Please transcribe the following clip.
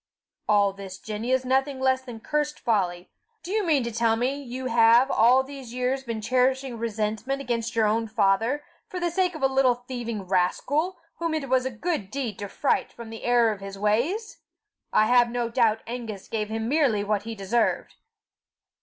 "All this, Jenny, is nothing less than cursed folly. Do you mean to tell me you have all these years been cherishing resentment against your own father, for the sake of a little thieving rascal, whom it was a good deed to fright from the error of his ways? I have no doubt Angus gave him merely what he deserved."